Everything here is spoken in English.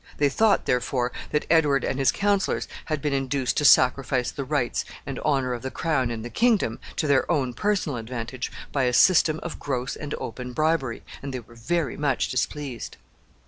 They thought, therefore, that Edward and his counselors had been induced to sacrifice the rights and honor of the crown and the kingdom to their own personal advantage by a system of gross and open bribery, and they were very much displeased.